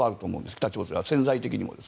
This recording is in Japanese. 北朝鮮は潜在的にも。